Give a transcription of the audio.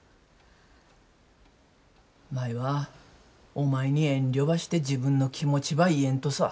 舞はお前に遠慮ばして自分の気持ちば言えんとさ。